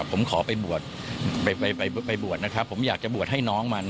ผมขอไปบวชผมอยากจะบวชให้น้องมัน